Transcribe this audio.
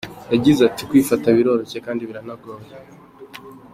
Yagize ati “Kwifata biroroshye ariko biranagoye.